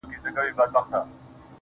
ده ناروا_